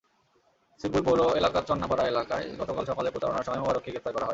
শ্রীপুর পৌর এলাকার চন্নাপাড়া এলাকায় গতকাল সকালে প্রচারণার সময় মোবারককে গ্রেপ্তার করা হয়।